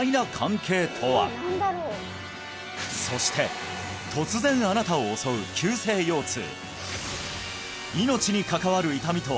そして突然あなたを襲う急性腰痛